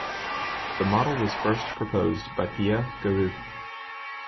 The model was first proposed by Pierre Carreau.